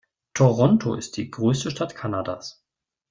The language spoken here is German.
Toronto ist die größte Stadt Kanadas.